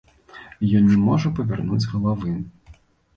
Ён не можа павярнуць галавы.